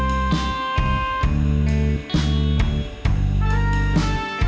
โอ้โฮ